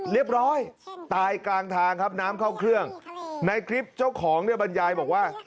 เรียบร้อยตายกลางทางครับน้ำเข้าเครื่องในคลิปเจ้าของเนี่ยบรรยายบอกว่า